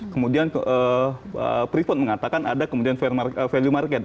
kemudian freeport mengatakan ada kemudian value market